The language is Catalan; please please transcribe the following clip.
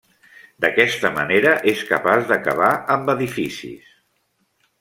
D'aquesta manera, és capaç d'acabar amb edificis.